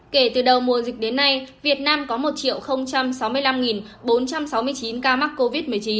kể từ đầu mùa dịch đến nay việt nam có một sáu mươi năm bốn trăm sáu mươi chín ca mắc covid một mươi chín